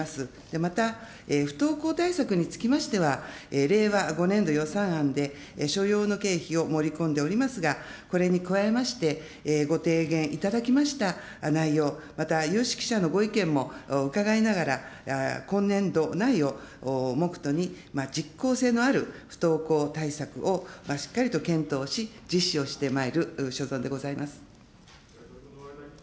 また、不登校対策につきましては、令和５年度予算案で所要の経費を盛り込んでおりますが、これに加えまして、ご提言いただきました内容、また有識者のご意見も伺いながら、今年度内を目途に、実効性のある不登校対策をしっかりと検討し、実施をしてまいる所存でございます。